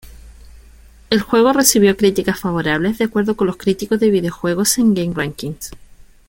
El juego recibió críticas "favorables" de acuerdo con los críticos de videojuegos en GameRankings.